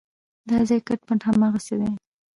دا ځای کټ مټ هماغسې دی.